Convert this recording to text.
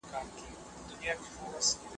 سياست د بشري ودي سره سم پرمختګ کوي.